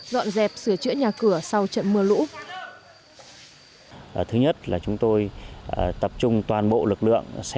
dọn dẹp sửa chữa nhà cửa sau trận mưa lũ